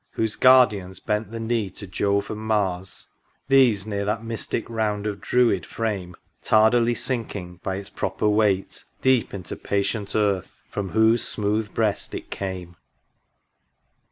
Whose Guardians bent the knee to Jove and Mars : These near that mystic Round of Druid frame, Tardily sinking by its proper weight Deep into patient Earth, from whose smooth breast it came